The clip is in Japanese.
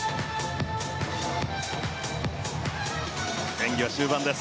演技は終盤です。